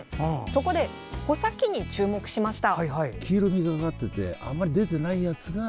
そこで穂先に注目しました。